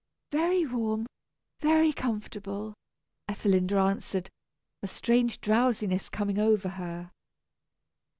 "Very warm, very comfortable," Ethelinda answered, a strange drowsiness coming over her.